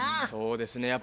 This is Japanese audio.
そうですね。